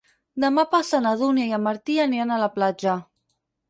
Demà passat na Dúnia i en Martí aniran a la platja.